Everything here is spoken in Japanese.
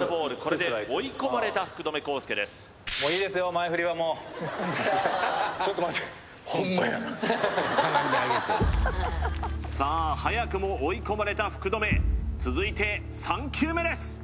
これで追い込まれた福留孝介ですちょっと待ってさあ早くも追い込まれた福留続いて３球目です